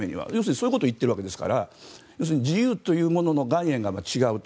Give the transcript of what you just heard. そういうことを言ってるわけですから要するに自由というものの概念が違うと。